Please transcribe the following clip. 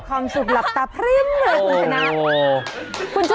ความสุขหลับตาพริบเลยคุณชนะ